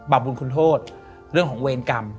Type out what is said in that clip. บุญคุณโทษเรื่องของเวรกรรม